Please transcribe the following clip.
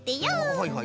はいはい。